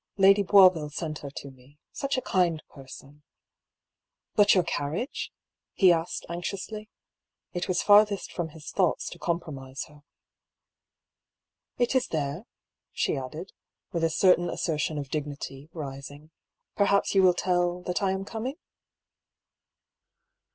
Lady Boisville sent her to me. Such a kind person 1 " HER DREAM. 237 " But your carriage ?" lie asked, anxiously. It was farthest from his thoughts to compromise her. " It is there," she added, with a certain assertion of dignity, rising. " Perhaps you will tell — that I am coming?"